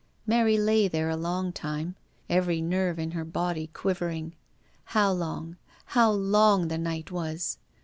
Mary lay there a long time, every nerve in her body quivering. How long, how long the night was!